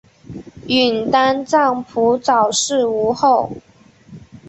允丹藏卜早逝无后。